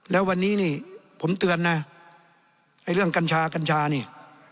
แล้ววันนี้นี่ผมเตือนนะไอ้เรื่องกัญชากัญชานี่